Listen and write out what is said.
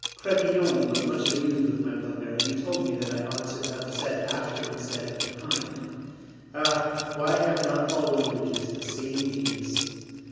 Crebillon was much amused with my blunder, and he told me that I ought to have said after instead of behind. Ah! why have not all languages the same genius!